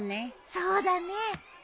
そうだね。